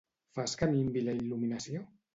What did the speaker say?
Fas que minvi la il·luminació?